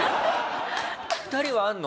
２人はあるの？